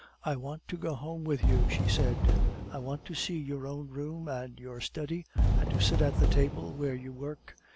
"I want to go home with you," she said. "I want to see your own room and your study, and to sit at the table where you work.